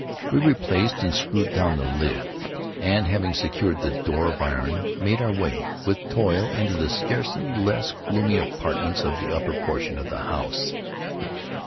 We replaced and screwed down the lid, and, having secured the door of iron, made our way, with toil, into the scarcely less gloomy apartments of the upper portion of the house.